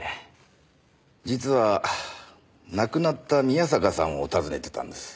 実は亡くなった宮坂さんを訪ねてたんです。